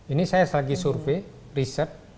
ini saya lagi survei riset